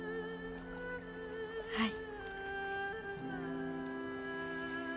はい。